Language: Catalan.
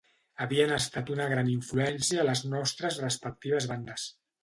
Havien estat una gran influència a les nostres respectives bandes.